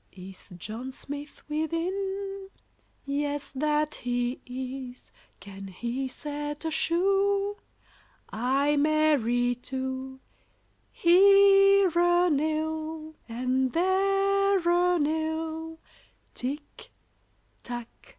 ] Is John Smith within? Yes, that he is. Can he set a shoe? Ay, marry, two; Here a nail and there a nail, Tick, tack, too.